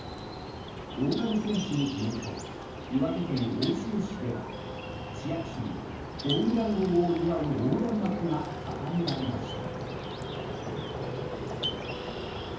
大谷選手の地元岩手県奥州市では市役所にホームラン王を祝う横断幕が掲げられました。